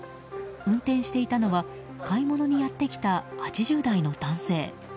運転していたのは買い物にやってきた８０代の男性。